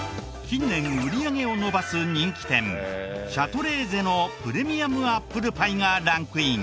近年売り上げを伸ばす人気店シャトレーゼのプレミアムアップルパイがランクイン。